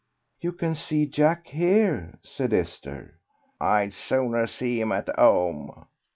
"You can see Jack here," said Esther. "I'd sooner see him at 'ome....